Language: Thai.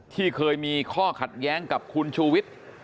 ที่เคยมีข้อขัดแย้งกับคุณชูวิทย์